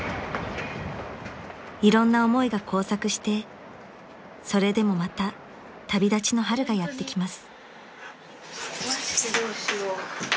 ［いろんな思いが交錯してそれでもまた旅立ちの春がやってきます］